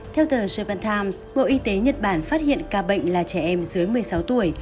theo tờ japan times bộ y tế nhật bản phát hiện ca bệnh là trẻ em dưới một mươi sáu tuổi